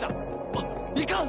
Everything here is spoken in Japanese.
あっいかん！